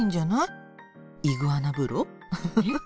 イグアナ風呂？